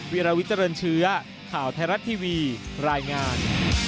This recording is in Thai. วิราวิเจริญเชื้อข่าวไทยรัฐทีวีรายงาน